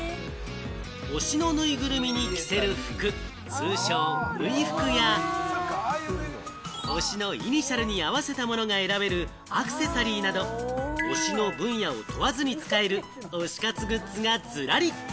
推しのぬいぐるみに着せる服、通称・ぬい服や、推しのイニシャルに合わせたものが選べるアクセサリーなど、推しの分野を問わずに使える推し活グッズがズラリ。